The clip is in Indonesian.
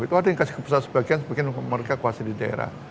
itu ada yang kasih ke pusat sebagian sebagian mereka kuasai di daerah